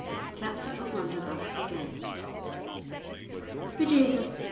CAPTAIN O'BLUNDERBUSS AGAIN. "Be Jasus!